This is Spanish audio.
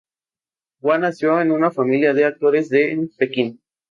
Guan nació en una familia de actores en Pekín.